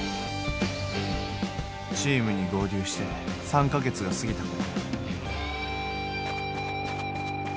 チームに合流して３か月が過ぎたころ。